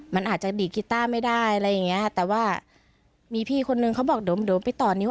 มันอาจจะดีดกีต้าไม่ได้อะไรอย่างเงี้ยแต่ว่ามีพี่คนนึงเขาบอกเดี๋ยวเดี๋ยวไปต่อนิ้